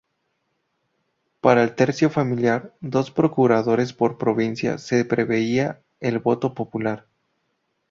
Para el "tercio familiar", dos procuradores por provincia, se preveía el voto popular.